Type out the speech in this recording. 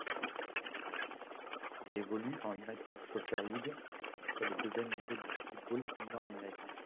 Elle évolue en United Soccer League, soit le deuxième niveau du football nord-américain.